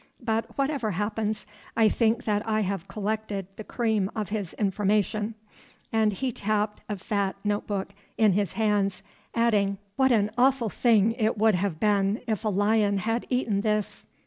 But whatever happens, I think that I have collected the cream of his information," and he tapped a fat note book in his hands, adding: "What an awful thing it would have been if a lion had eaten this.